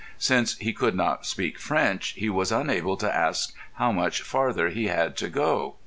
Since he could not speak French, he was unable to ask how much farther he had to go.